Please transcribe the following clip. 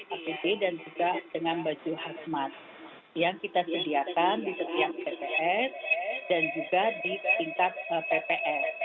apb dan juga dengan baju khas mat yang kita sediakan di setiap tps dan juga di tingkat tps